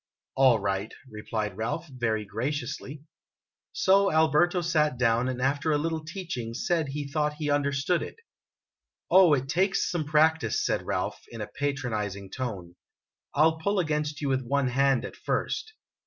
"All right," replied Ralph, very graciously. So Alberto sat down, and after a little teaching said he thought he understood it. " Oh, it takes some practice," said Ralph, in a patronizing tone ; "I '11 pull against you with one hand, at first."